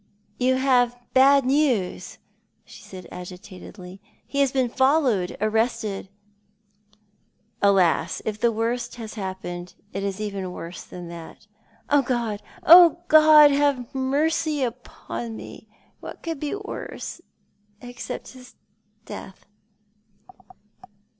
" You have bad news ?" she said, agitatedly. " He has been followed — arrested ?"" Alas, if the worst has happened, it is even worse than that." " God, God, have mercy upon me ! What could be worse — except his death